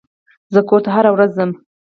زه کور ته هره ورځ ځم.